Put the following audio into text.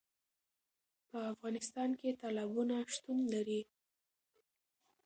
په افغانستان کې تالابونه شتون لري.